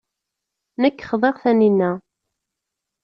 Nekk xḍiɣ Taninna.